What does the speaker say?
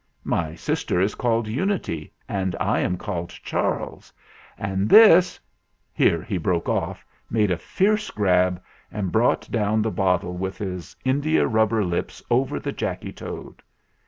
"My sister is called Unity and I am called Charles, and this " Here he broke off, made a fierce grab, and brought down the bottle with his India rubber lips over the Jacky Toad.